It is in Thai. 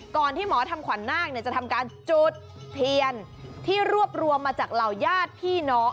ที่หมอทำขวัญนาคจะทำการจุดเทียนที่รวบรวมมาจากเหล่าญาติพี่น้อง